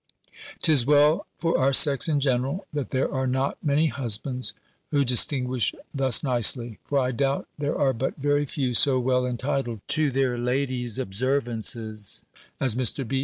'Tis well for our sex in general, that there are not many husbands who distinguish thus nicely. For, I doubt, there are but very few so well entitled to their ladies' observances as Mr. B.